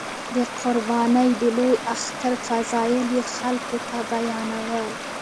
د قربانۍ د لوی اختر فضایل یې خلکو ته بیانول.